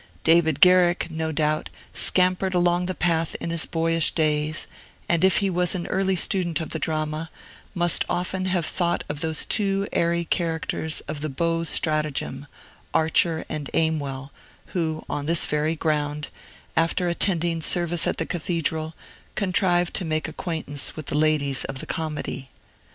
David Garrick, no doubt, scampered along the path in his boyish days, and, if he was an early student of the drama, must often have thought of those two airy characters of the "Beaux' Stratagem," Archer and Aimwell, who, on this very ground, after attending service at the cathedral, contrive to make acquaintance with the ladies of the comedy.